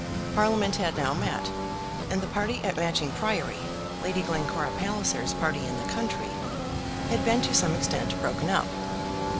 Parliament had now met, and the party at Matching Priory, Lady Glencora Palliser's party in the country, had been to some extent broken up.